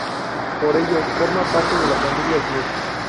Por ello, forma parte de la familia Smith.